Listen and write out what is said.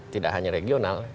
tidak hanya regional